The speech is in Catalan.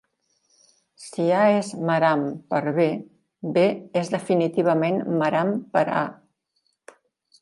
Si "A" és "mahram" per "B", "B" és definitivament "mahram" per "A".